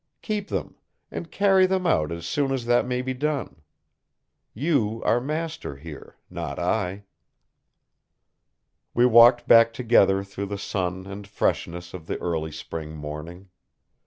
Keep them, and carry them out as soon as that may be done. You are master here, not I." We walked back together through the sun and freshness of the early spring morning.